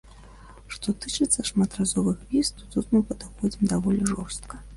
Што тычыцца шматразовых віз, то тут мы падыходзім даволі жорстка.